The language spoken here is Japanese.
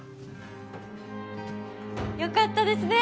良かったですね。